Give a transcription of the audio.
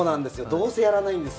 どうせやらないんですよ。